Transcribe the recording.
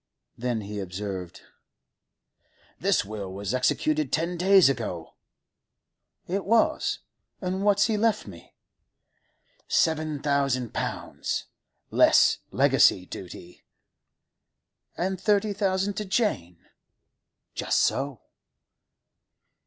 Then he observed: 'The will was executed ten days ago.' 'It was? And what's he left me?' 'Seven thousand pounds—less legacy duty.' 'And thirty thousand to Jane?' 'Just so.